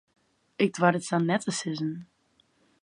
Ik doar it sa net te sizzen.